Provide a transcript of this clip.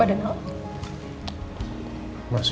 adin masih gak enak badan lo